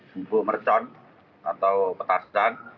buku mercon atau petasan